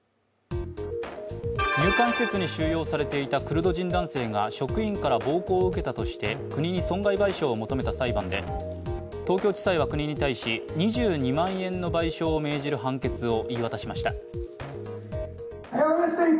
入管施設に収容されていたクルド人が職員から暴行を受けたとして国に損害賠償を求めた裁判で東京地裁は国に対し２２万円の賠償を命じる判決を言い渡しました。